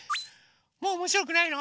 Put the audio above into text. もうおもしろくないの？